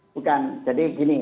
bukan jadi gini